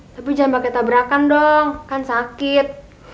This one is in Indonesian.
tapi jangan pakai tabrakan dong kan sakit